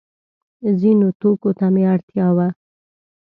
ځینو توکو ته مې اړتیا وه.